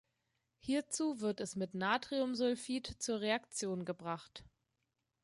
Hierzu wird es mit Natriumsulfid zur Reaktion gebracht.